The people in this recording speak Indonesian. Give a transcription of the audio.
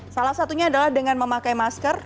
salah satunya adalah dengan memakai masker